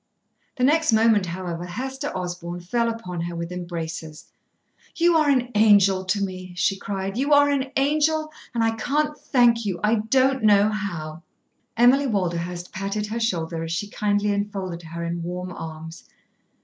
The next moment, however, Hester Osborn fell upon her with embraces. "You are an angel to me," she cried. "You are an angel, and I can't thank you. I don't know how." Emily Walderhurst patted her shoulder as she kindly enfolded her in warm arms.